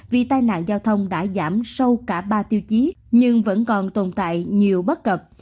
vì tai nạn giao thông đã giảm sâu cả ba tiêu chí nhưng vẫn còn tồn tại nhiều bất cập